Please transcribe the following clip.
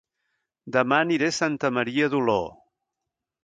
Dema aniré a Santa Maria d'Oló